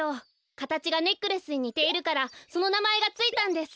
かたちがネックレスににているからそのなまえがついたんです。